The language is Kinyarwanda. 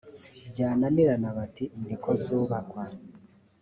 byananirana bati ‘ni ko zubakwa’